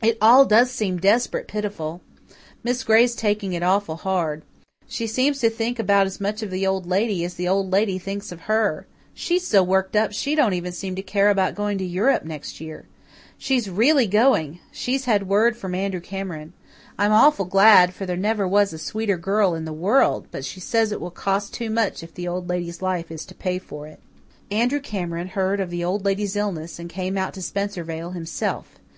It all does seem desperate pitiful. Miss Gray's taking it awful hard. She seems to think about as much of the Old Lady as the Old Lady thinks of her. She's so worked up she don't even seem to care about going to Europe next year. She's really going she's had word from Andrew Cameron. I'm awful glad, for there never was a sweeter girl in the world; but she says it will cost too much if the Old Lady's life is to pay for it." Andrew Cameron heard of the Old Lady's illness and came out to Spencervale himself.